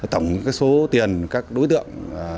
tổng số tiền các đối tượng